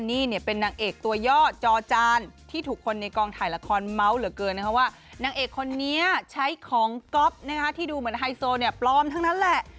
นี่เนี่ยเป็นนางเอกตัวย่อจอจานที่ถูกคนในกองถ่ายละครเมาส์เหลือเกินนะคะว่านางเอกคนนี้ใช้ของก๊อฟนะคะที่ดูเหมือนไฮโซเนี่ยปลอมทั้งนั้นแหละ